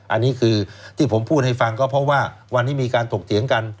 อันนี้คือที่ผมพูดให้ฟังก็เพราะว่าวันนี้มีการถกเถียงกัน